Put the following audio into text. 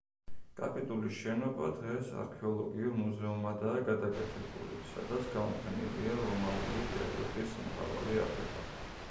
კაპიტულის შენობა დღეს არქეოლოგიურ მუზეუმადაა გადაკეთებული, სადაც გამოფენილია რომაული პერიოდის მრავალი არტეფაქტი.